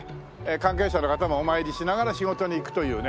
関係者の方もお参りしながら仕事に行くというね。